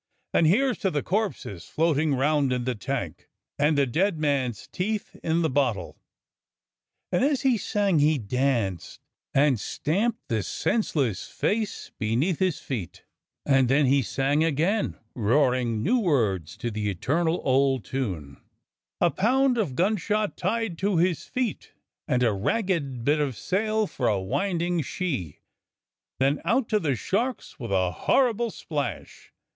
And here's to the corpses floating round in the tank, And the dead man's teeth in the bottle." 124 DOCTOR SYN And as he sang he danced, and stamped the senseless face beneath his feet; and then he sang again, roaring new words to the eternal old tune : "A pound of gunshot tied to his feet, And a ragged bit of sail for a winding shee' ; Then out to the sharks with a horrible splash.